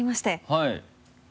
はい。